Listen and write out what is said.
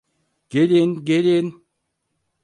Gelin, gelin.